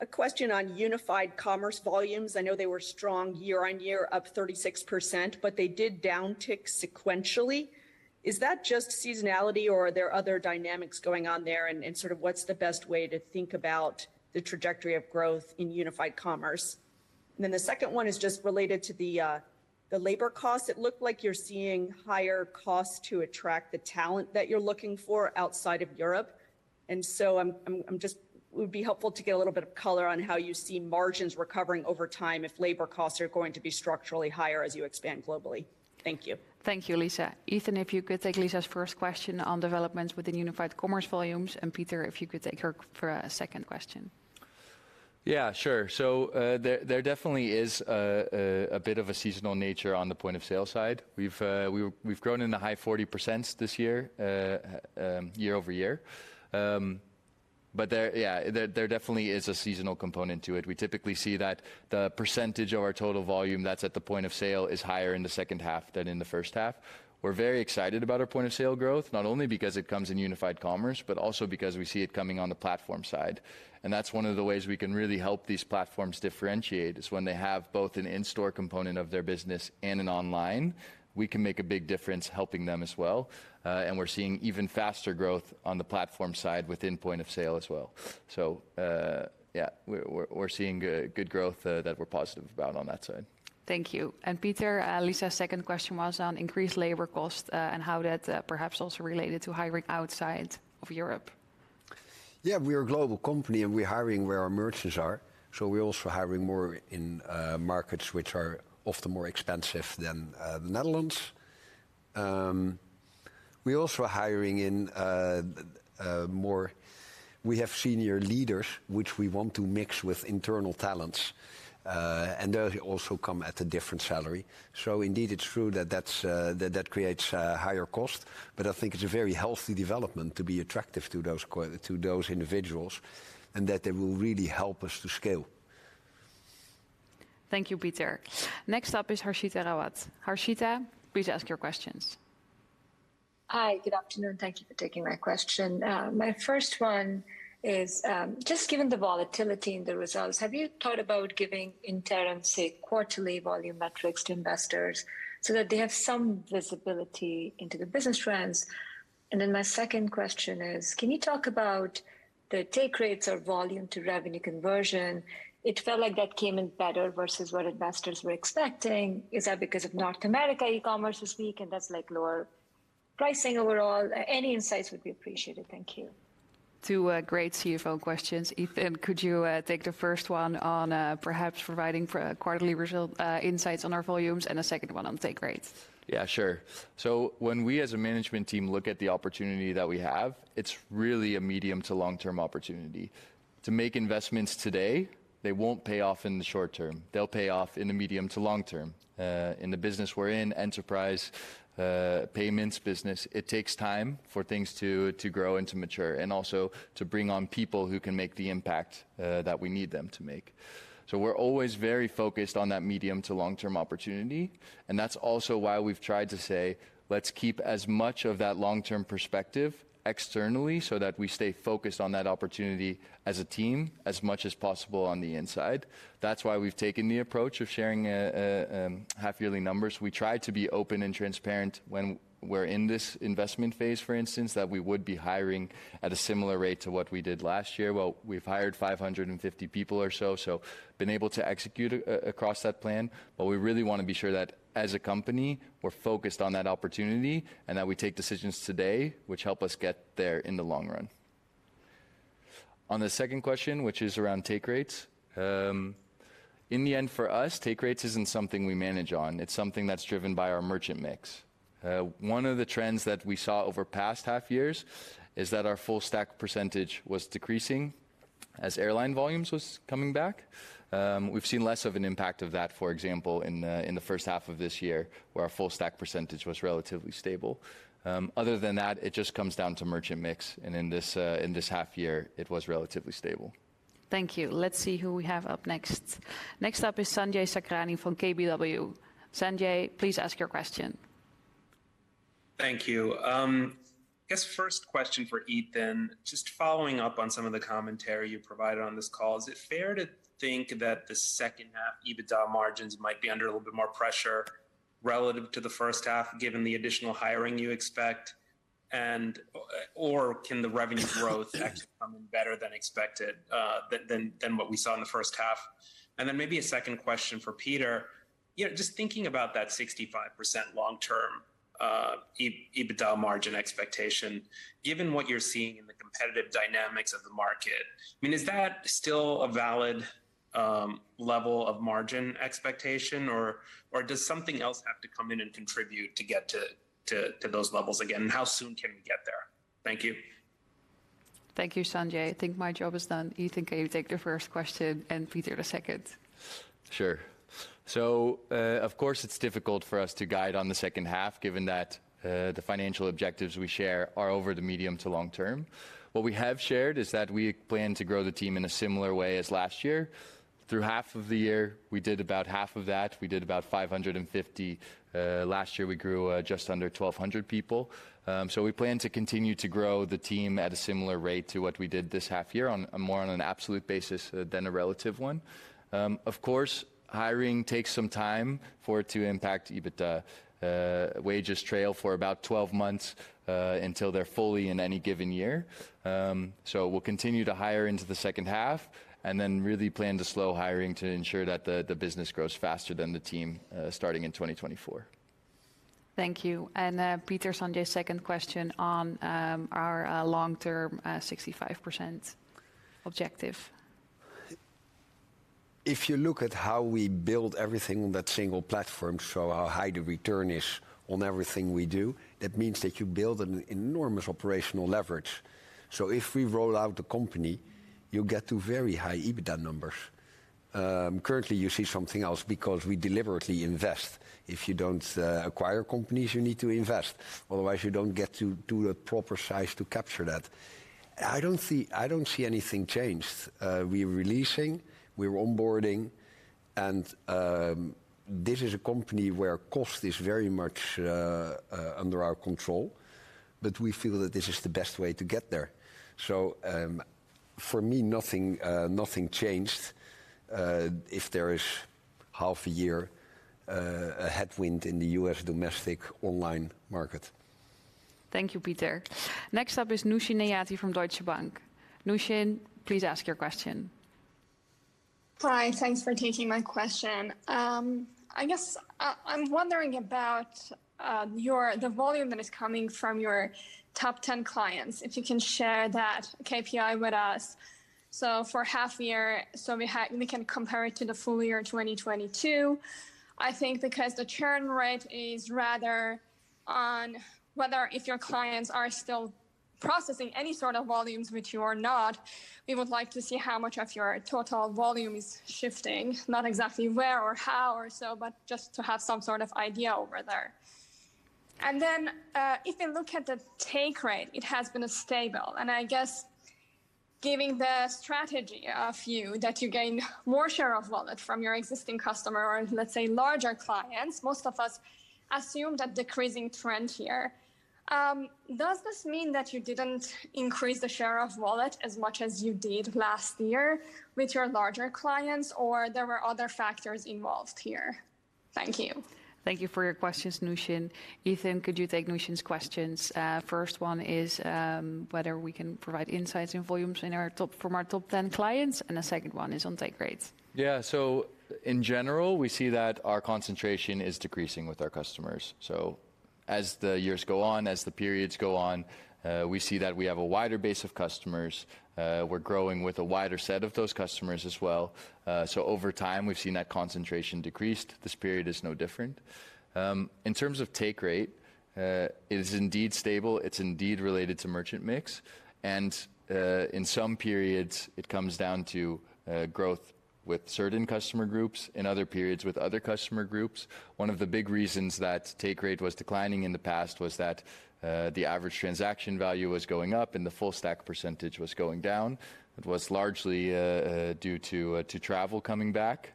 a question on Unified Commerce volumes. I know they were strong year-over-year, up 36%, but they did downtick sequentially. Is that just seasonality, or are there other dynamics going on there, and sort of what's the best way to think about the trajectory of growth in Unified Commerce? The second one is just related to the labor costs. It looked like you're seeing higher costs to attract the talent that you're looking for outside of Europe, and so I'm just... It would be helpful to get a little bit of color on how you see margins recovering over time if labor costs are going to be structurally higher as you expand globally. Thank you. Thank you, Lisa. Ethan, if you could take Lisa's first question on developments within Unified Commerce volumes, Pieter, if you could take her second question. Yeah, sure. There definitely is a bit of a seasonal nature on the Point of Sale side. We've grown in the high 40% this year, year-over-year. There definitely is a seasonal component to it. We typically see that the percentage of our total volume that's at the Point of Sale is higher in the second half than in the first half. We're very excited about our Point of Sale growth, not only because it comes in Unified Commerce, but also because we see it coming on the Platform side, and that's one of the ways we can really help these platforms differentiate, is when they have both an in-store component of their business and an online, we can make a big difference helping them as well. We're seeing even faster growth on the Platform side within Point of Sale as well. Yeah, we're, we're, we're seeing good, good growth that we're positive about on that side. Thank you. Pieter, Lisa's second question was on increased labor cost, and how that perhaps also related to hiring outside of Europe. Yeah, we're a global company, and we're hiring where our merchants are. We're also hiring more in markets which are often more expensive than the Netherlands. We're also hiring senior leaders, which we want to mix with internal talents. They also come at a different salary. Indeed, it's true that that creates a higher cost, but I think it's a very healthy development to be attractive to those individuals, and that they will really help us to scale. Thank you, Pieter. Next up is Harshita Rawat. Harshita, please ask your questions. Hi, good afternoon. Thank you for taking my question. My first one is, just given the volatility in the results, have you thought about giving interim, say, quarterly volume metrics to investors, so that they have some visibility into the business trends? Then my second question is, can you talk about the take rates or volume to revenue conversion? It felt like that came in better versus what investors were expecting. Is that because of North America e-commerce this week, and that's, like, lower pricing overall? Any insights would be appreciated. Thank you. Two great CFO questions. Ethan, could you take the first one on, perhaps providing quarterly result insights on our volumes, and the second one on take rates? Yeah, sure. When we as a management team look at the opportunity that we have, it's really a medium to long-term opportunity. To make investments today, they won't pay off in the short term. They'll pay off in the medium to long term. In the business we're in, enterprise payments business, it takes time for things to grow and to mature, and also to bring on people who can make the impact that we need them to make. We're always very focused on that medium to long-term opportunity, and that's also why we've tried to say, "Let's keep as much of that long-term perspective externally, so that we stay focused on that opportunity as a team as much as possible on the inside." That's why we've taken the approach of sharing half-yearly numbers. We try to be open and transparent when we're in this investment phase, for instance, that we would be hiring at a similar rate to what we did last year. Well, we've hired 550 people or so, so been able to execute across that plan. We really want to be sure that as a company, we're focused on that opportunity, and that we take decisions today which help us get there in the long run. On the second question, which is around take rates, in the end, for us, take rates isn't something we manage on. It's something that's driven by our merchant mix. One of the trends that we saw over past half years is that our full-stack percentage was decreasing as airline volumes was coming back. We've seen less of an impact of that, for example, in the, in the first half of this year, where our full-stack percentage was relatively stable. Other than that, it just comes down to merchant mix, and in this, in this half year, it was relatively stable. Thank you. Let's see who we have up next. Next up is Sanjay Sakhrani from KBW. Sanjay, please ask your question. Thank you. I guess first question for Ethan. Just following up on some of the commentary you provided on this call, is it fair to think that the second half EBITDA margins might be under a little bit more pressure relative to the first half, given the additional hiring you expect? Or can the revenue growth actually come in better than expected than what we saw in the first half? Then maybe a second question for Pieter. You know, just thinking about that 65% long-term EBITDA margin expectation, given what you're seeing in the competitive dynamics of the market, I mean, is that still a valid level of margin expectation, or does something else have to come in and contribute to get to those levels again? How soon can we get there? Thank you. Thank you, Sanjay. I think my job is done. Ethan, can you take the first question and Pieter, the second? Sure. Of course, it's difficult for us to guide on the second half, given that the financial objectives we share are over the medium to long term. What we have shared is that we plan to grow the team in a similar way as last year. Through half of the year, we did about half of that. We did about 550. Last year, we grew just under 1,200 people. We plan to continue to grow the team at a similar rate to what we did this half year, on a more on an absolute basis than a relative one. Of course, hiring takes some time for it to impact EBITDA. Wages trail for about 12 months until they're fully in any given year. We'll continue to hire into the second half, and then really plan to slow hiring to ensure that the business grows faster than the team, starting in 2024. Thank you. Pieter, Sanjay's second question on our long-term 65% objective. If you look at how we build everything on that single platform, so how high the return is on everything we do, that means that you build an enormous operational leverage. If we roll out the company, you get to very high EBITDA numbers. Currently, you see something else because we deliberately invest. If you don't acquire companies, you need to invest, otherwise you don't get to do the proper size to capture that. I don't see, I don't see anything changed. We're releasing, we're onboarding, and this is a company where cost is very much under our control, but we feel that this is the best way to get there. For me, nothing changed if there is half a year a headwind in the U.S. domestic online market. Thank you, Pieter. Next up is Nooshin Nejati from Deutsche Bank. Nooshin, please ask your question. Hi, thanks for taking my question. I guess, I'm wondering about the volume that is coming from your top 10 clients, if you can share that KPI with us. For half year, so we can compare it to the full year 2022. I think because the churn rate is rather on whether if your clients are still processing any sort of volumes with you or not, we would like to see how much of your total volume is shifting, not exactly where or how or so, but just to have some sort of idea over there. Then, if you look at the take rate, it has been stable, and I guess giving the strategy of you, that you gain more share of wallet from your existing customer or let's say, larger clients, most of us assume that decreasing trend here. Does this mean that you didn't increase the share of wallet as much as you did last year with your larger clients, or there were other factors involved here? Thank you. Thank you for your questions, Nooshin. Ethan, could you take Nooshin's questions? First one is whether we can provide insights in volumes in our top, from our top 10 clients, and the second one is on take rates. Yeah. In general, we see that our concentration is decreasing with our customers. As the years go on, as the periods go on, we see that we have a wider base of customers. We're growing with a wider set of those customers as well. Over time, we've seen that concentration decreased. This period is no different. In terms of take rate, it is indeed stable. It's indeed related to merchant mix, and in some periods, it comes down to growth with certain customer groups, in other periods, with other customer groups. One of the big reasons that take rate was declining in the past was that the average transaction value was going up and the full-stack % was going down. It was largely due to travel coming back,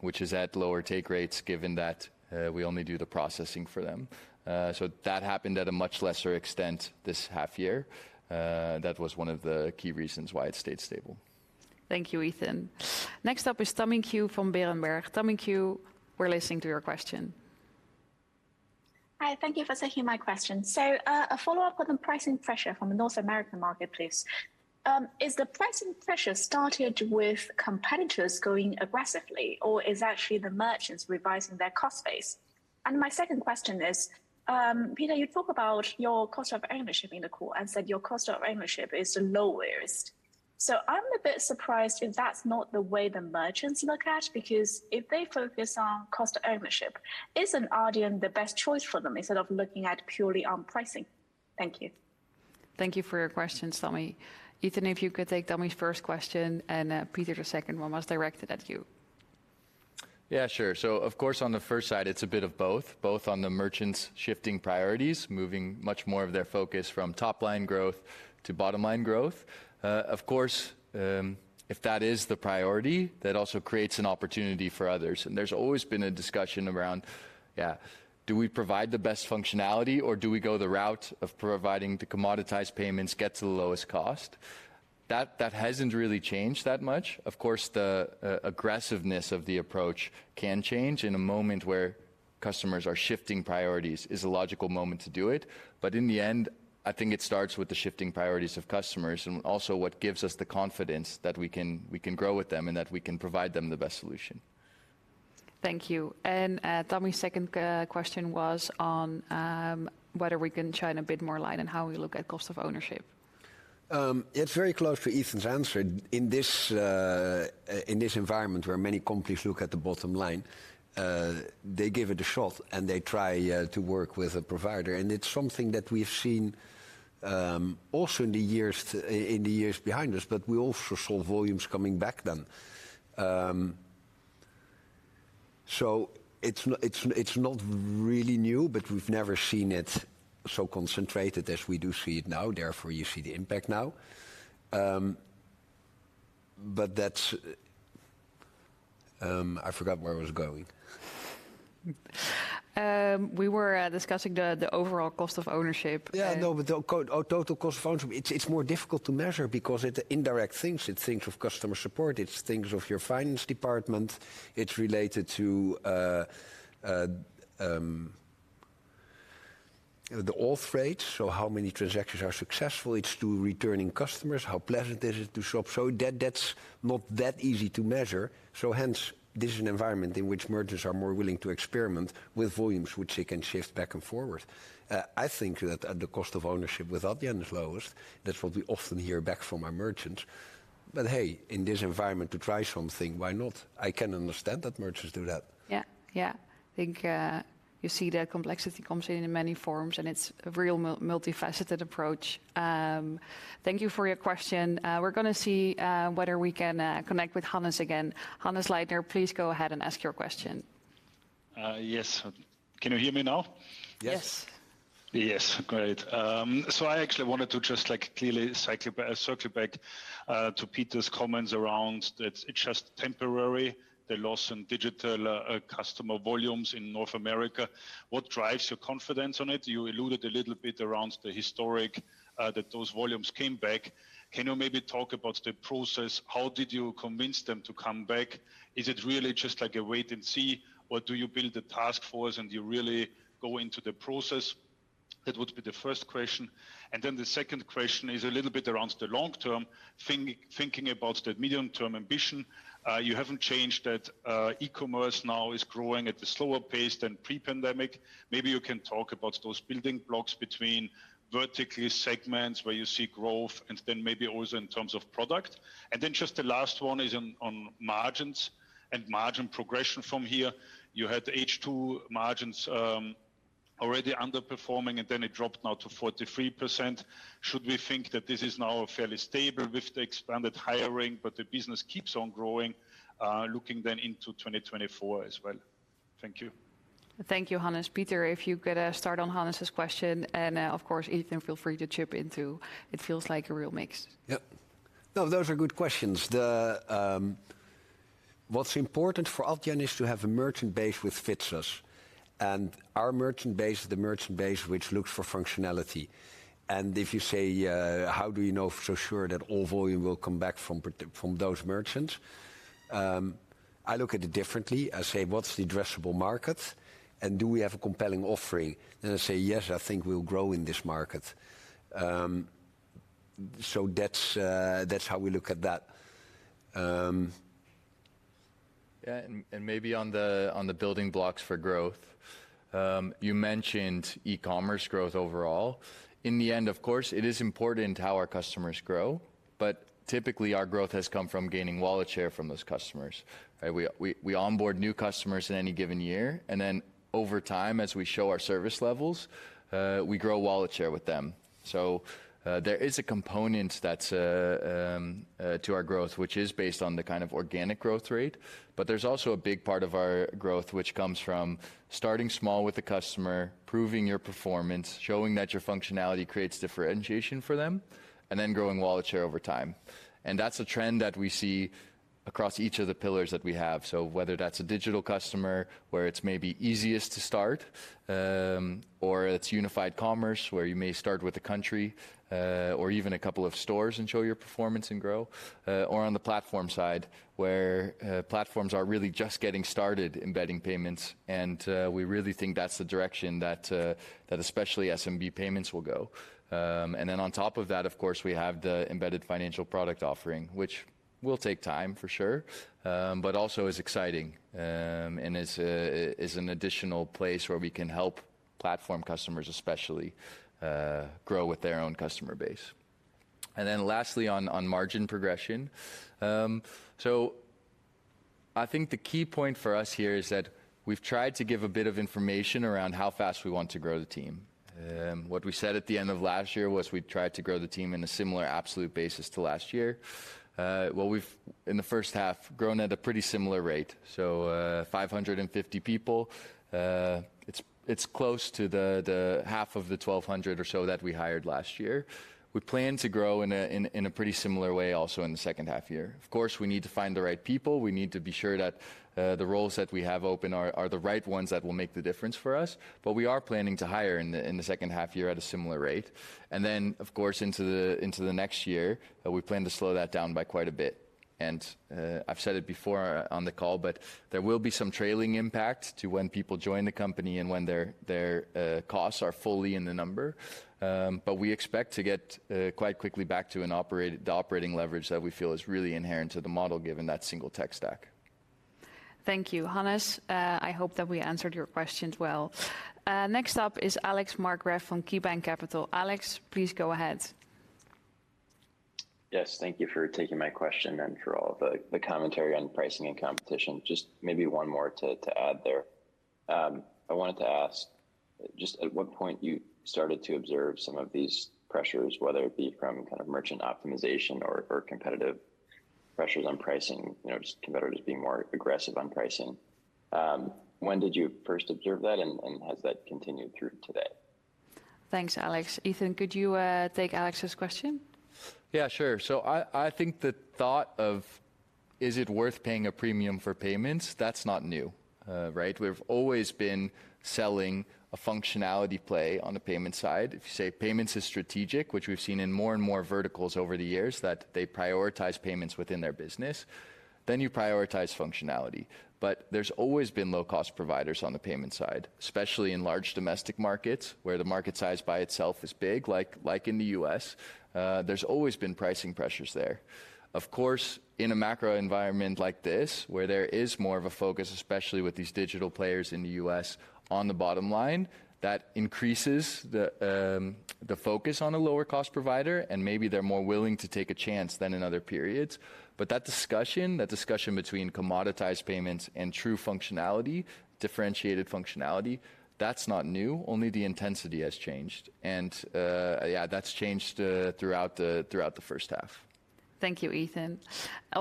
which is at lower take rates, given that we only do the processing for them. That happened at a much lesser extent this half year. That was one of the key reasons why it stayed stable. Thank you, Ethan. Next up is Tammy Qiu from Berenberg. Tammy Qiu, we're listening to your question. Hi, thank you for taking my question. A follow-up on the pricing pressure from the North American marketplace. Is the pricing pressure started with competitors going aggressively, or is actually the merchants revising their cost base? My second question is, Pieter, you talk about your cost of ownership in the call, and said your cost of ownership is the lowest. I'm a bit surprised if that's not the way the merchants look at, because if they focus on cost of ownership, isn't Adyen the best choice for them, instead of looking at purely on pricing? Thank you. Thank you for your question, Tammy. Ethan, if you could take Tammy's first question, and Pieter, the second one was directed at you. Yeah, sure. Of course, on the first side, it's a bit of both, both on the merchants shifting priorities, moving much more of their focus from top-line growth to bottom-line growth. Of course, if that is the priority, that also creates an opportunity for others, and there's always been a discussion around, yeah, do we provide the best functionality, or do we go the route of providing the commoditized payments, get to the lowest cost? That, that hasn't really changed that much. Of course, the aggressiveness of the approach can change. In a moment where customers are shifting priorities is a logical moment to do it. In the end, I think it starts with the shifting priorities of customers, and also what gives us the confidence that we can, we can grow with them, and that we can provide them the best solution. Thank you. Tammy's second question was on whether we can shine a bit more light on how we look at cost of ownership. It's very close to Ethan's answer. In this environment where many companies look at the bottom line, they give it a shot, and they try to work with a provider. It's something that we've seen also in the years to, in the years behind us, but we also saw volumes coming back then. It's, it's not really new, but we've never seen it so concentrated as we do see it now, therefore, you see the impact now. That's. I forgot where I was going. We were discussing the overall cost of ownership. Yeah, no, but the total cost of ownership, it's, it's more difficult to measure because it's indirect things. It's things of customer support, it's things of your finance department, it's related to the authorization rates, so how many transactions are successful, it's to returning customers, how pleasant is it to shop? That, that's not that easy to measure, so hence, this is an environment in which merchants are more willing to experiment with volumes, which they can shift back and forward. I think that the total cost of ownership with Adyen is lowest. That's what we often hear back from our merchants. Hey, in this environment, to try something, why not? I can understand that merchants do that. Yeah. Yeah. I think, you see the complexity comes in in many forms, and it's a real multifaceted approach. Thank you for your question. We're gonna see whether we can connect with Hannes again. Hannes Leitner, please go ahead and ask your question. Yes. Can you hear me now? Yes. Yes. Yes. Great. I actually wanted to just, like, clearly cycle back to Pieter's comments around it's, it's just temporary, the loss in Digital customer volumes in North America. What drives your confidence on it? You alluded a little bit around the historic that those volumes came back. Can you maybe talk about the process? How did you convince them to come back? Is it really just, like, a wait and see, or do you build a task force, and you really go into the process? That would be the first question. Then the second question is a little bit around the long term. Thinking about the medium-term ambition, you haven't changed that, e-commerce now is growing at a slower pace than pre-pandemic. Maybe you can talk about those building blocks between vertical segments, where you see growth, and then maybe also in terms of product. Just the last one is on, on margins and margin progression from here. You had H2 margins already underperforming, and then it dropped now to 43%. Should we think that this is now fairly stable with the expanded hiring, but the business keeps on growing, looking then into 2024 as well? Thank you. Thank you, Hannes. Pieter, if you could, start on Hannes' question, and, of course, Ethan, feel free to chip in, too. It feels like a real mix. Yep. No, those are good questions. The... What's important for Adyen is to have a merchant base which fits us, and our merchant base is the merchant base which looks for functionality. If you say, "How do you know for sure that all volume will come back from from those merchants?" I look at it differently. I say: What's the addressable market, and do we have a compelling offering? I say, "Yes, I think we'll grow in this market." That's, that's how we look at that. Yeah, and maybe on the, on the building blocks for growth, you mentioned e-commerce growth overall. In the end, of course, it is important how our customers grow, but typically, our growth has come from gaining wallet share from those customers, right? We, we, we onboard new customers in any given year, and then over time, as we show our service levels, we grow wallet share with them. There is a component that's to our growth, which is based on the kind of organic growth rate, but there's also a big part of our growth which comes from starting small with the customer, proving your performance, showing that your functionality creates differentiation for them, and then growing wallet share over time. That's a trend that we see across each of the pillars that we have. Whether that's a Digital customer, where it's maybe easiest to start, or it's Unified Commerce, where you may start with a country, or even a couple of stores, and show your performance and grow, or on the Platform side, where platforms are really just getting started embedding payments, and we really think that's the direction that, that especially SMB payments will go. Then on top of that, of course, we have the embedded financial product offering, which will take time, for sure, but also is exciting, and is, is an additional place where we can help... platform customers especially, grow with their own customer base. Then lastly, on, on margin progression. I think the key point for us here is that we've tried to give a bit of information around how fast we want to grow the team. What we said at the end of last year was we'd try to grow the team in a similar absolute basis to last year. Well, we've, in the first half, grown at a pretty similar rate, so, 550 people. It's, it's close to the, the half of the 1,200 or so that we hired last year. We plan to grow in a pretty similar way also in the second half year. Of course, we need to find the right people. We need to be sure that the roles that we have open are the right ones that will make the difference for us. We are planning to hire in the, in the second half year at a similar rate, and then, of course, into the, into the next year, we plan to slow that down by quite a bit. I've said it before on the call, but there will be some trailing impact to when people join the company and when their, their costs are fully in the number. We expect to get quite quickly back to the operating leverage that we feel is really inherent to the model, given that single tech stack. Thank you, Hannes. I hope that we answered your questions well. Next up is Alex Markgraff from KeyBanc Capital. Alex, please go ahead. Yes, thank you for taking my question and for all the commentary on pricing and competition. Just maybe one more to add there. I wanted to ask just at what point you started to observe some of these pressures, whether it be from kind of merchant optimization or competitive pressures on pricing, you know, just competitors being more aggressive on pricing? When did you first observe that, and has that continued through today? Thanks, Alex. Ethan, could you take Alex's question? Yeah, sure. I, I think the thought of, is it worth paying a premium for payments, that's not new, right? We've always been selling a functionality play on the payment side. If you say payments is strategic, which we've seen in more and more verticals over the years, that they prioritize payments within their business, then you prioritize functionality. There's always been low-cost providers on the payment side, especially in large domestic markets, where the market size by itself is big, like, like in the U.S. There's always been pricing pressures there. Of course, in a macro environment like this, where there is more of a focus, especially with these Digital players in the U.S., on the bottom line, that increases the focus on a lower-cost provider, and maybe they're more willing to take a chance than in other periods. That discussion, that discussion between commoditized payments and true functionality, differentiated functionality, that's not new. Only the intensity has changed. Yeah, that's changed, throughout the, throughout the first half. Thank you, Ethan.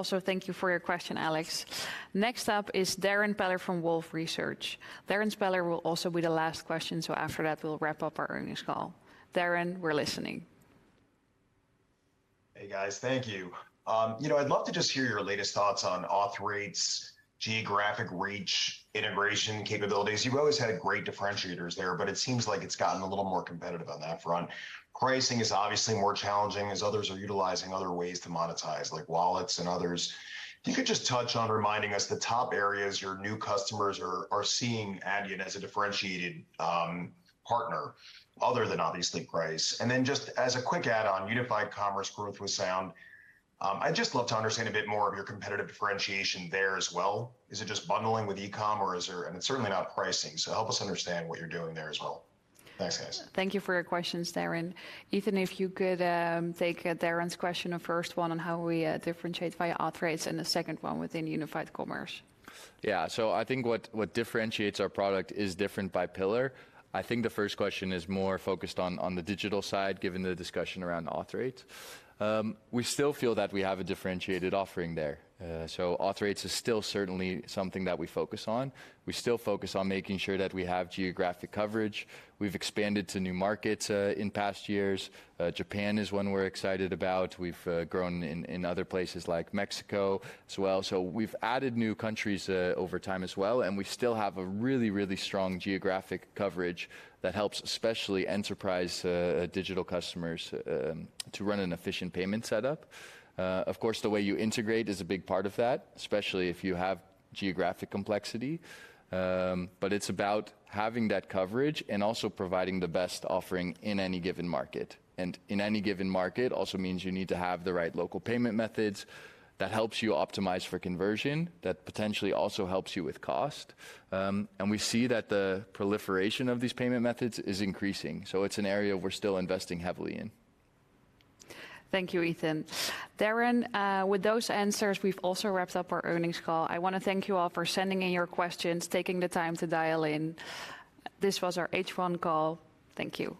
Thank you for your question, Alex. Next up is Darrin Peller from Wolfe Research. Darrin Peller will also be the last question, so after that, we'll wrap up our earnings call. Darrin, we're listening. Hey, guys. Thank you. You know, I'd love to just hear your latest thoughts on authorization rates, geographic reach, integration capabilities. You've always had great differentiators there, but it seems like it's gotten a little more competitive on that front. Pricing is obviously more challenging as others are utilizing other ways to monetize, like wallets and others. If you could just touch on reminding us the top areas your new customers are, are seeing Adyen as a differentiated partner, other than obviously price. Then just as a quick add-on, Unified Commerce growth was sound. I'd just love to understand a bit more of your competitive differentiation there as well. Is it just bundling with e-commerce or is there... It's certainly not pricing, so help us understand what you're doing there as well. Thanks, guys. Thank you for your questions, Darrin. Ethan, if you could, take Darrin's question, the first one, on how we differentiate via authorization rates and the second one within Unified Commerce. Yeah. I think what, what differentiates our product is different by pillar. I think the first question is more focused on, on the Digital side, given the discussion around authorization rates. We still feel that we have a differentiated offering there. Authorization rates is still certainly something that we focus on. We still focus on making sure that we have geographic coverage. We've expanded to new markets in past years. Japan is one we're excited about. We've grown in, in other places like Mexico as well. We've added new countries over time as well, and we still have a really, really strong geographic coverage that helps especially enterprise Digital customers to run an efficient payment setup. Of course, the way you integrate is a big part of that, especially if you have geographic complexity. It's about having that coverage and also providing the best offering in any given market. In any given market also means you need to have the right local payment methods that helps you optimize for conversion, that potentially also helps you with cost. We see that the proliferation of these payment methods is increasing, so it's an area we're still investing heavily in. Thank you, Ethan. Darrin, with those answers, we've also wrapped up our earnings call. I wanna thank you all for sending in your questions, taking the time to dial in. This was our H1 call. Thank you.